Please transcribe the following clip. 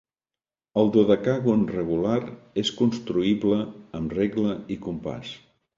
El dodecàgon regular és construïble amb regle i compàs.